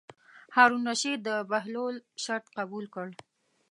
هارون الرشید د بهلول شرط قبول کړ.